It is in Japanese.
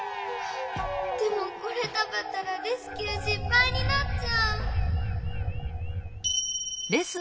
でもこれたべたらレスキューしっぱいになっちゃう！